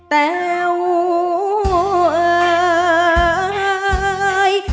แต้วเอ่ย